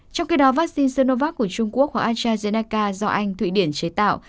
trong khi đó vaccine snovac của trung quốc hoặc astrazeneca do anh thụy điển chế tạo